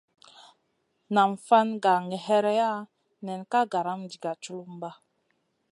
Nam fan gah hèreya nen ka garam diga tchulumba.